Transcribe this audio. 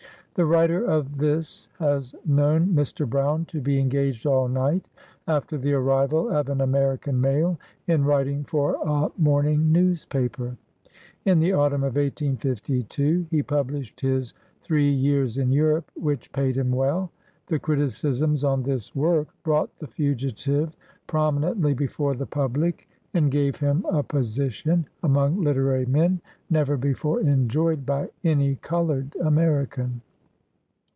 The writer of this has known Mr. Brown to be engaged all night, after the arrival of an American mail, in writing for a morning newspaper. In the autumn of 1852, he published his " Three Years in Europe,*' which paid him well. The criticisms on this work brought the fugitive prominently before the pub lic, and gave him a position among literary men never before enjoyed by any colored American.